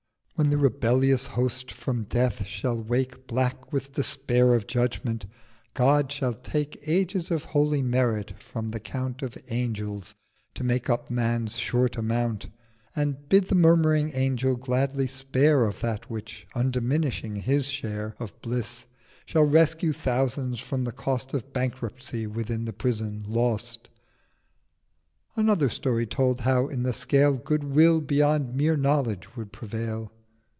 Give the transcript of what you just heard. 690 When the rebellious Host from Death shall wake Black with Despair of Judgment, God shall take Ages of holy Merit from the Count Of Angels to make up Man's short Amount, And bid the murmuring Angel gladly spare Of that which, undiminishing his Share, Of Bliss, shall rescue Thousands from the Cost Of Bankruptcy within the Prison lost. Another Story told how in the Scale Good Will beyond mere Knowledge would prevail.